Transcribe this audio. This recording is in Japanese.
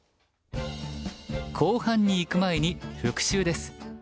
後半にいく前に復習です。